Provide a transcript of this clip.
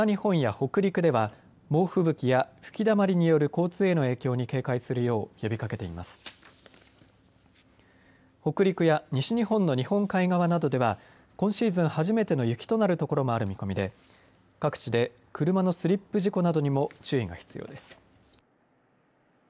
北陸や西日本の日本海側などでは今シーズン初めての雪となる所もある見込みで各地で車のスリップ事故などにも注意が必要です。